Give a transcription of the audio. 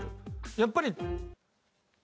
やっぱり。